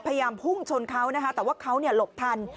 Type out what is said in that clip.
พยายามพุ่งชนเขานะคะแต่ว่าเขาหลบทัน